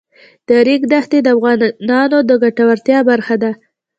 د ریګ دښتې د افغانانو د ګټورتیا برخه ده.